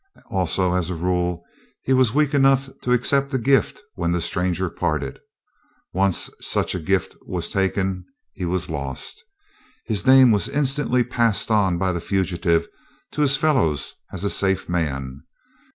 Also, as a rule, he was weak enough to accept a gift when the stranger parted. Once such a gift was taken, he was lost. His name was instantly passed on by the fugitive to his fellows as a "safe" man.